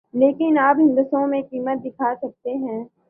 لیکن آپ ہندسوں میں قیمت دیکھ سکتے ہیں